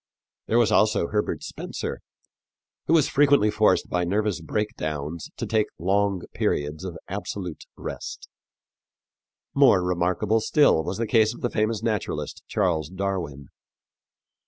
There was also Herbert Spencer, who was frequently forced by nervous breakdowns to take long periods of absolute rest. More remarkable still was the case of the famous naturalist, Charles Darwin.